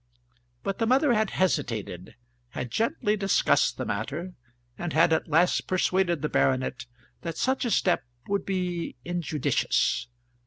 But the mother had hesitated, had gently discussed the matter, and had at last persuaded the baronet that such a step would be injudicious.